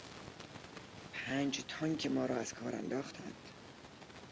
پنج تانک ما را از کار انداختند.